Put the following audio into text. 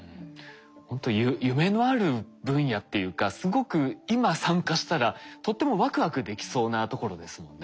ほんと夢のある分野っていうかすごく今参加したらとってもワクワクできそうなところですもんね。